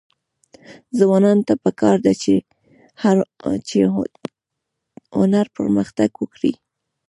ځوانانو ته پکار ده چې، هنر پرمختګ ورکړي.